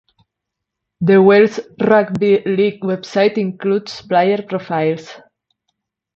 The Wales Rugby League website includes player profiles.